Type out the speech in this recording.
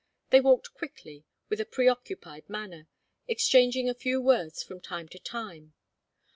They walked quickly, with a preoccupied manner, exchanging a few words from time to time.